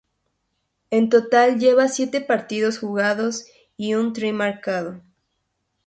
En total lleva siete partidos jugados y un try marcado.